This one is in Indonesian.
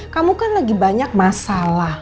kamu kan lagi banyak masalah